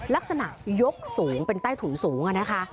ลักษณะยกสูงเป็นใต้ถุนสูงนะคะ